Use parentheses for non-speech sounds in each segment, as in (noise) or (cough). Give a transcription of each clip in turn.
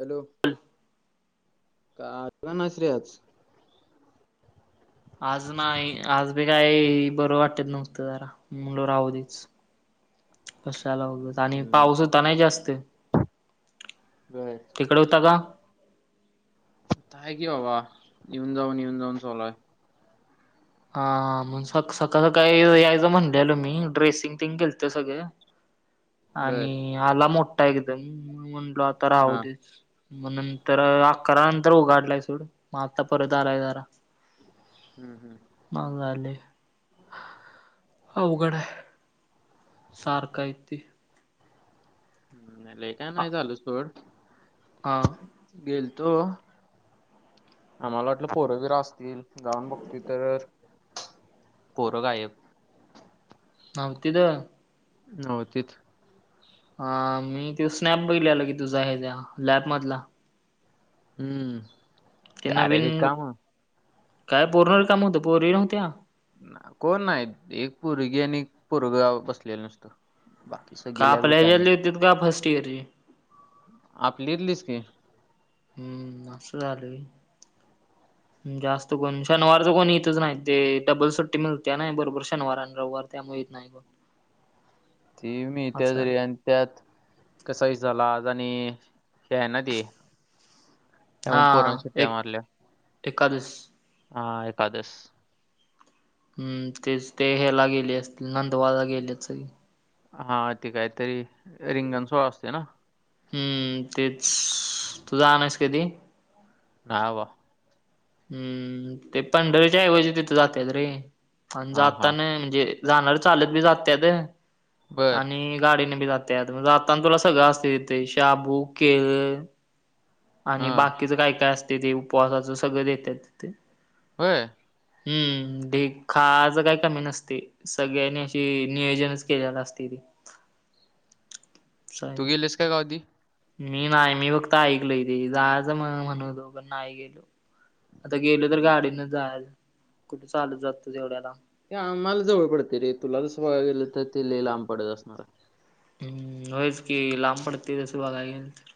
Hello का (unintelligible) आज. आज नाही आज बी काय बरं वाटत नव्हतं, जरा मग राहूदेच. कशाला उगच आणि हम्म पाऊस होता ना जास्तं. व्हयं. तिकडं होता का. आहे की बाबा, येऊन जाऊन येऊन जाऊन चालू आहे. हां म सक-सकाळचं काय यायचं म्हणल्यालं मी ड्रेसिंग तेन केलंत सगळं. (inaudible) आणि आला मोठा एकदम म्हणलो आता हा राहूदेच. मग नंतर अकरा नंतर उघाडलाय सोड मग आत्ता परत आलाय जरा. हम्म हम्म. (unintelligible) अवघड आहे. सारखा येतोय. (unintelligible) लय काय नाही झालं सोड. हां. गेलतो आम्हाला वाटलं पोरं बीरं असतील. जााऊन बघतोय तर पोरं गायब. (unintelligible) नव्हतीत. हां मी त्यो स्नॅप बघितलेला की तुझा ह्याजा लॅबमधला. हम्म. ते अरे नवीन रिकाम काय पूर्ण रिकामं होतं पोरी नव्हत्या. कोण नाही एक पोरगी आणि एक पोरगं अ बसलेलं नुसतं. बाकी (unintelligible) रिकामी होती. तुझा फस्ट ईअर हे? (unintelligible) हं असं झालं होय? (inaudible) जास्त कोण शनिवारच कोण येतंच नाही, ते डबल सुट्टी मिळत्या नाही बरोबर शनिवार आणि रविवार त्यामुळे नाही गं. ती मीळत्याच रे आणि त्यात कसा विषय झाला आज आणि हे आहे ना ते त्यामुळे पोरांनी हा सुट्टया एक मारल्या एकादस हां एकादस. हम्म तेच ते ह्याला गेले असतील, (unintelligible) गेलेत सगळी. हां ते कायतरी रिंगण सोहळा असतोय ना? हम्म तेच तू जायाय नाहीस कधी? नाही बाबा. हम्म, ते पंढरीच्याऐवजी तिथं जात्यात रे आणि हां, हां. जाताना म्हणजे जाणारी चालत बी जात्यात बरं. आणि गाडीने बी जा त्यात म जाताना तुला सगळं असतंय तिथे शाबू, केळं आणि हां. बाकीचं काय काय असतंय ते उपवासाचं सगळं देत्यात तिथं. होय? हम्म, ढीग खायचं काही कमी नसतंय. सगळ्यांनी अशी नियोजनच केलेलं असतंय ते. साय तू गेलेस का कधी? मी नाही मी फक्त ऐकलोय तेे जायचं म्ह-म्हणतो पण नाही गेलो. आता गेलो तर हं. गाडीनच जायचं कुठं चालत जातोस एवढ्या लांब. ते आम्हाला जवळ पडतंय रे तुला तसं बघाय गेलं तर ते लय लांब पडत असणार आहे. हम्म होयच की लांब पडतंय तसं बघाय गेलं तर.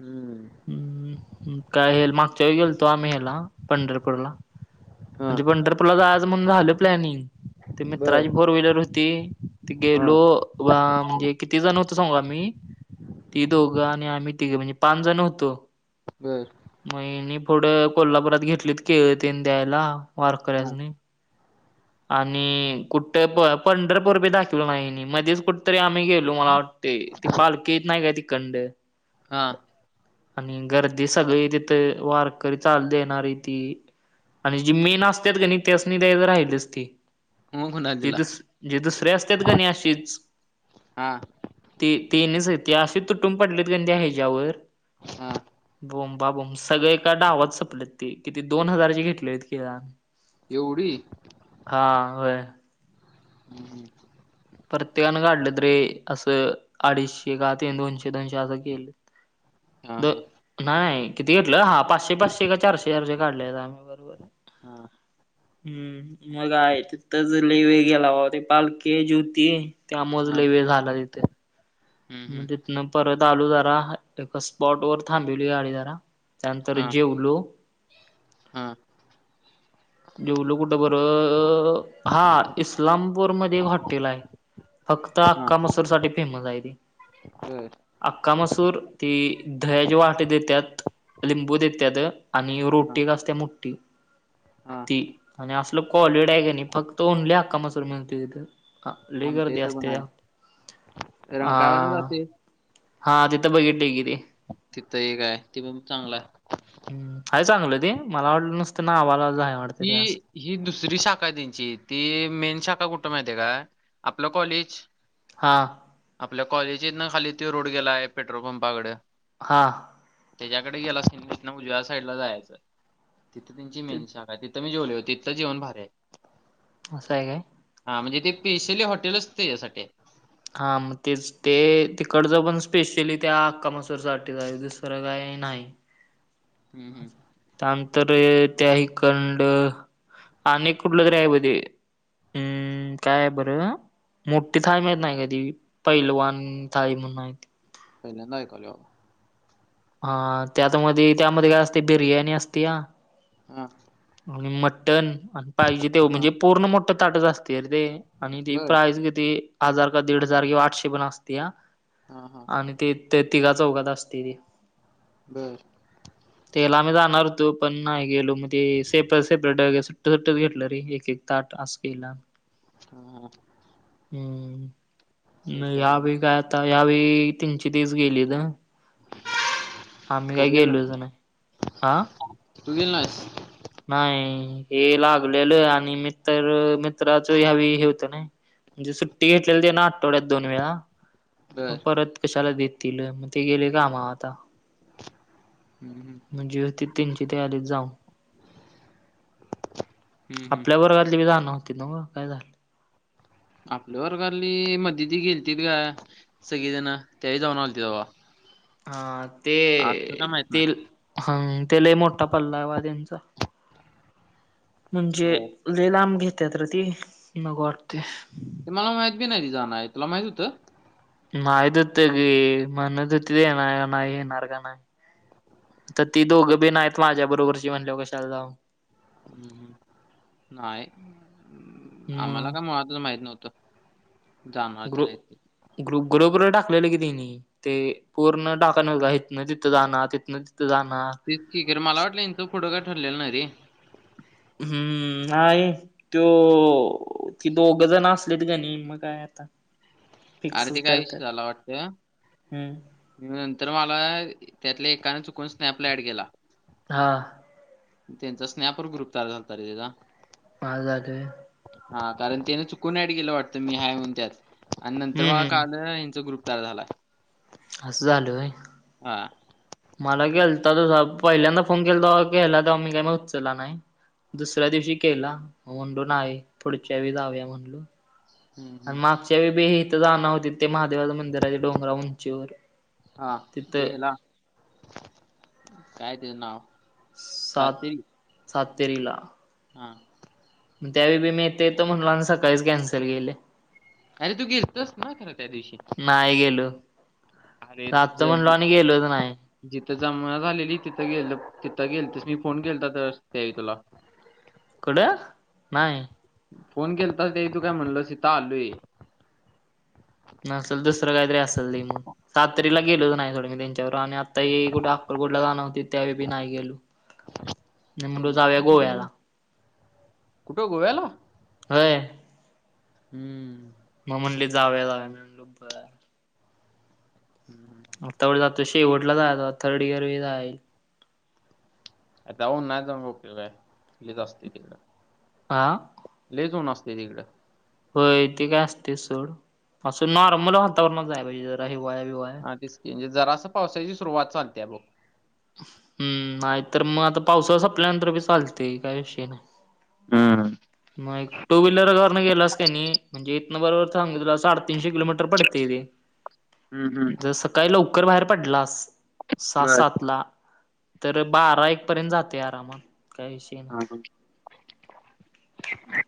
हम्म. हम्म काय हेल मागच्या गेलतो आम्ही ह्याला पंढरपूरला. हां. म्हणजे पंढरपूरला जायचं म्हणून प्लॅनिंग, ते मित्राची बरं. फोर व्हीलर हो ती ते हां. गेलो. वा म्हणजे किती जण होतो सांगु का आम्ही? ती दोघं आणि आम्ही तिघं म्हणजे पांचजण होतो. बर. मग हेनी पुढं कोल्हापुरात घेतलीत केळं तेन द्यायला हां. वारकऱ्यासनी आणि कुठं प पंढरपूरबी दाखीवल नाही ह्यांनी, मध्येच कु ठंतरी आम्ही गेलो मला वाटतंय, ती पालखी येत नाही काय तीकडनं हां. आणि गर्दी सगळी तिथे वारकरी चालत येणारी ती आणि जी मेन असत्यात का नाही त्यासनी द्यायचं राहिलीच ते. मग कुणाला जे दिला? दुस जे दुसरे असतेत का नाही असेच हां. ते ते निस ते असे तुटून पडलेत क नाई त्या ह्याच्यावर हां. बोंबाबोंब सगळे एका डावात संपलत ते. किती दोन हजारचे घेतले होते केळं आम्ही. एवढी? हां व्हय. (unintelligible) प्रत्येकानं काढलं त रे असं अडीचशे का ते दोनशे दोनशे असं केलं. (unintelligible) द नाही, किती घेतलं हा पाचशे चशे चारशे चारशे काढल्यालं आम्ही बरोबर. हां. हम्म मग आहे तिथेच लय वेळ गेला बाबा, ते पालखी यायची होती त्यामुळंच हां. लय वेळ झाला तिथं. हं, म हं. तिथनं परत आलो जरा, एका स्पॉटवर थांबीवली गाडी जरा. त्यानंतर हां. जेवलो. हां. जेवल कुठं बरं हां इस्लामपूर मध्ये एक हॉटेल आहे. फक्त अख्खा मसूरसाठी फेमस आहे ते. बर. अख्खा मसूर, ती दह्याची वाटी देत्यात. लिंबू देत्यात आणि ह्यो हां. रोटी एट असत्या मोठी. हां. (unintelligible) आणि असलं कॉलिड हाय का नाही, फक्त ओन्ली अख्खा मसुर मिळतोय तिथं. अआ लय आमच्या गर्दी इथं पण असत्या आहे. त्या रंकाळ्यानं आ जाते. हा तिथं बघितलंय की ते. तिथं एक हाय, तेपण चांगलं हाय. हाय चांगलं ते, मला वाटलं नुसतं नावालाच हाय वाट ती ही दुसरी शाखा आहे त्यांची. ती मेन शाखा कुठं माहिती हाय का? आपलं कॉलेज हां. आपल्या कॉलेज हायत ना खाली त्यो रोड गेलाय पेट्रोल पंपाकडं. हां. त्याच्याकडे गेलास की मग तिथनं उजव्या साईडला जायाचं, तिथं त्यांची ते मेन शाखा हाय तिथं मी जेवलोय, तिथं जेवण भारी हाय. असं हाय काय. हा म्हणजे ते स्पेशली हॉटेल असते त्यासाठी ये. हां मग तेच. ते तिकडचं पण स्पेशली त्या हक्कामसूर साठी आहे दुसरं काही नाही. हम्म हम्म. थांब तर त्या हि खंड आणि कुठलं तरी आहे बघ ते. हम्म काय आहे बरं. मोठी थाळी, मिळत नाही का ती पैलवान थाई म्हणून आहे ती. पहिल्यांदा ऐकलोय बा हा त्यात मध्ये त्यामध्ये काय असते बिर्याणी असते या. हा मटण आणि पाहिजे तेव हा म्हणजे पूर्ण मोठ ट ताटत असते रे ते आणि ती बर प्राईज किती हजार का दीड हजार किंवा आठशे पण असते ह. हा हा. आणि ती ते तिघा चौघात असते ती. हम्म. तेला आम्ही जाणार होतो पण नाही गेलो मग ते सेपर सेपरेट, वैग असं. तर तर घेतलं रे एक एक ताट अस केला. हा हा हम्म हम्म, शेष नई या झाला. बी काय. आता यावेळी त्यांची तीच गेली ना. आम्ही तू काही गेला नाहीस गेलोचं नाही हा तू गेली नाहीस? नाही हे लागलेलं आणि मित्र मित्राच ह्यावळी हे होतं नाही. म्हणजे सुट्टी घेतलेली तेन आठवड्यात दोन वेळा बर मग परत. कशाला देतील, मग ते गेले कामावर आता. हम्म हम्म म्हणजे होतीत त्यांचे ते आले जाऊन हम्म हम्म आपल्या वर्गातले बी जाणार होते ना मग काय झालं? आपल्या वर्गातले मध्ये ते गेलते ग सगळेजण त्यावेळी जाऊन आले तवा. हा ते काय माहित ते नाही ह तेला मोठा पल्लावा त्यांचा. म्हणजे होय. ले लांब घेतत र ती मग वाटते. ते मला माहित बी नाही जाण आहे तुला माहित होतं? माहित होतं की, म्हणत होतीत येणार का नाय येणार का नाय? तर ती दोघं बी नायत माझ्या बरोबरची म्हणल्याव कशाल जाऊ. हम्म, हम्म, नाही आम्हाला काय मग मुळातच माहिती नव्हतं. जाणार तेन हायत. ग्रुप ग्रुप टाकलेलं की तिने. ते पूर्ण टाकाणलगा हिथनं तिथं जाणार तिथनं तिथं जाणार. तेचकी मला वाटलं इचं फोटं काय ठरलेलं ना रे. हम्म नाही तो ति दोघ जण असलेत गणी मग काय. चाल. अरे ते काय विषय झाला वाटतं. हम्म नंतर मला त्यातल्या एकानें चुकून स्नॅपला ॲड केला. हा त्यांचा स्नॅपर ग्रुप तयार झालत रे त्याचा. माझं जातोय. हा कारण त्यान चुकून ऍड केलं वाटतं मी हाय म्हून त्यात. आणि नंतर हम्म मला हम्म काल हचा ग्रुप तयार झालाय. असं झालं व्हय. हा. मला केलता तर तसं पहिल्यांदा फोन केलता, तवा केला मी काही म उचला नाही. दुसऱ्या दिवशी केला मग, म्हटलं नाय पुढच्या वेळेस जाऊया म्हणलो. हम्म, आणि हम्म. मागच्या बी इथं जाण होती ते, महादेवाचं मंदिर आहे ते डोंगरावर उंचीवर. हा तिथं ते हेला काय तेचं नाव. सात सातेरी सातेरीला. हा. मग त्यावेळी बी मी येते येतो म्हणलो, आणि सकाळीच कॅन्सल केले. अरे तू गेलतस ना, खरं त्या दिवशी. अरे जातो म्हटलं, ज- आणि गेलोच नाही. जिथं जमाना झालेली तिथं गेल, तिथं गेलतीस फोन केलता त्यावेळी तुला. कुठं नाही. फोन केलतास त्यावेळी, तू काय म्हणलास इथं आलोय. नसेल दुसरं काहीतरी असेल रे मग. सातेरीला गेलोच नाही सोड मी त्यांच्याबरोबर, आणि आता हे कुठं अक्कलकोटला जाणार होतीत. त्यावेळी बी नाही गेलो, मी म्हटलो त्यांचं जावूया गोव्याला. काहीतरी- कुठं गोव्याला. व्हय. हम्म. मग म्हणले जावूया जावूया मी म्हणलो बरं. हम्. त्यावेळी जातो शेवटला जायाचं, थर्ड इयर बी जायाल येईल. जाऊन उन्हाळ्यात जाऊन काय उपयोग आहे. हेच असते तिकडं. आ. लैच ऊन असतंय तिकडं. व्हय ते काय असतंय सोड, असं नॉर्मल वातावरणात जायला पाहिजे जरा हिवाळा हिवाळा. हा तेच की म्हणजे, जरासं पावसाची सुरुवात चालत्या बघं. हंम नाय तर मग आता पावसाळा संपल्यावर नंतर, बी चालतंय काय विषय नाही. हम. मग एक टू व्हीलर वरण गेलास कणी. म्हणजे इथनं बरोबर सांगतो, तुला साडेतीनशे किलोमीटर पडते ते. हम्म हम्म. जर सकाळी लवकर बाहेर पडलास सहा बर सातला. तर बारा एक पर्यंत जातंय, आरामात काय विषय नाही. हा, हा.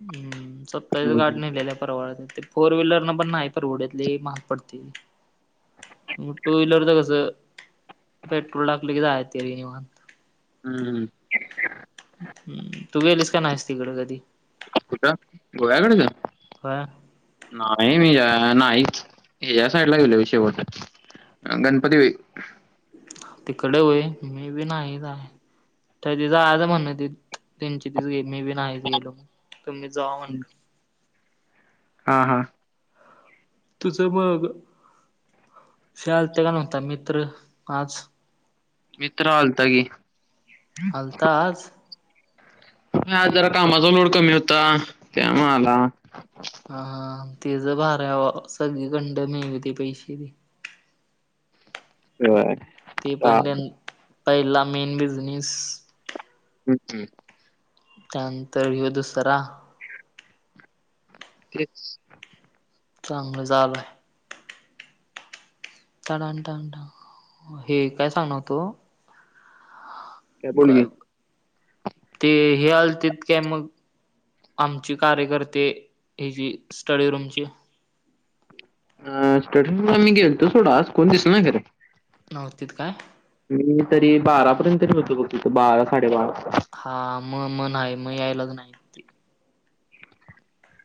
हंम स्वतःच्याच हम्म, गाड्या हम्म. न्हेलेल्या परवडत्यात ते. फोर व्हीलर न पण नाही परवडत, लय महाग पडते ते. टू व्हीलरच कसं पेट्रोल टाकलं की, जाया येतं निवांत. हम. तू गेलीस की, नाहीस तिकडं कधी. कुठं गोव्याकड. ह. नाही मी नाहीच. मी ह्या साईडला गेलोय शेवटचं. गणपती वेळी. तिकडं व्हय, मी भी नाय जाया. (unintelligible) हा हा. तुझं मग हे आलते का नव्हता मित्र आज? मित्र आलता की. आलता आज. (unintelligible) आज जरा कामाचा लोड कमी होता, त्यामुळं आला. हा तेजं भारी हाय बा, सगळीकंड मिळवतंय पैसे ते. बर. तेपण त्यां पहिला मेन बिझनेस (unintelligible) त्यानंतर ह्यो दुसरा. तेच. चांगलं चालू हाय. (unintelligible) हे काय सांगणार होतो. बोल की काय? ते हे आलतीत काय मग? आमची कार्यकर्ते हेची स्टडी रूमची? अ स्टडी रूमला मी गेलतो सोड आज, कोण दिसलं नाही खरं. नव्हतीत काय? मी तरी बारापर्यंत तरी होतो बघ तिथं, बारा साडेबारा. हा म म नाही म यायलाच नाही. ती (inaudible)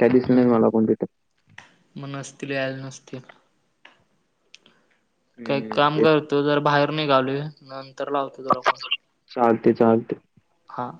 काय दिसलं नाय मला कोण भेटत म नसतील यायला नसतील. काही हम्म. काम ते करतो, जरा बाहेर निघालोय नंतर लावतो तुला फोन. चालतंय चालतंय. हां.